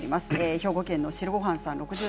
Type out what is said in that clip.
兵庫県の方です。